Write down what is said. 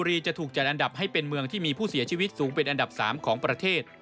จะถูกจัดอันดับให้เป็นเมืองที่มีผู้เสียชีวิตสูงเป็นอันดับ๓ของประเทศ